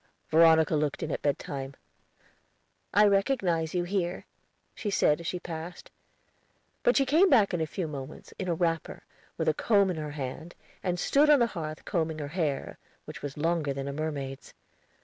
Veronica looked in at bed time. "I recognize you here," she said as she passed. But she came back in a few moments in a wrapper, with a comb in her hand, and stood on the hearth combing her hair, which was longer than a mermaid's.